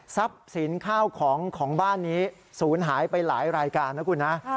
สินข้าวของของบ้านนี้ศูนย์หายไปหลายรายการนะคุณนะ